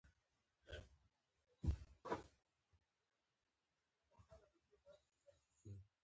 لومدین زیاته کړه زه له دغه رژیم سره.